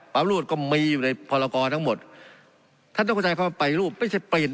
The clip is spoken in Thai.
อาวุธก็มีอยู่ในพรกรทั้งหมดท่านต้องเข้าใจคำว่าไปรูปไม่ใช่เปลี่ยน